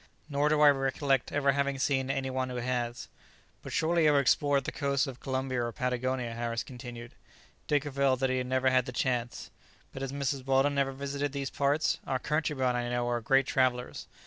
Nor do I recollect ever having seen any one who has." "But surely you have explored the coasts of Columbia or Patagonia," Harris continued. Dick avowed that he had never had the chance. "But has Mrs. Weldon never visited these parts? Our countrymen, I know, are great travellers."